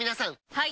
はい！